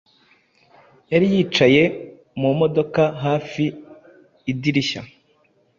yari yicaye mu modoka hafi idirishya